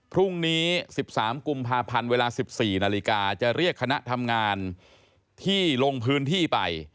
พรุ่งนี้๑๓กุมภาพันธ์เวลา๑๔นาฬิกาจะเรียกคณะทำงานที่ลงพื้นที่ไป